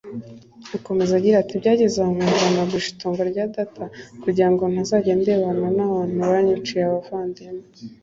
Akomeza agira ati “ Byageze aho nkumva nagurisha itongo rya data kugira ngo ntazajya ndebana n’abantu banyiciye abavandimwe